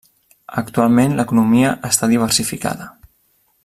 Actualment l'economia està diversificada.